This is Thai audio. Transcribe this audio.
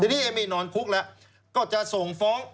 ทีนี้เอมมี่นอนคุกแล้วก็จะส่งฟ้อง